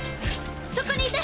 そこにいて！